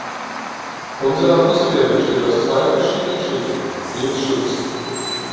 Unsere Atmosphäre besteht aus zwei verschiedenen Schichten, die uns schützen.